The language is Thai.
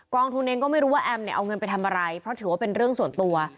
องทุนเองก็ไม่รู้ว่าแอมเนี่ยเอาเงินไปทำอะไรเพราะถือว่าเป็นเรื่องส่วนตัว